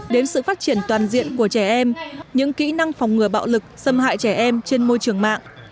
đến sự phát triển toàn diện của trẻ em những kỹ năng phòng ngừa bạo lực xâm hại trẻ em trên môi trường mạng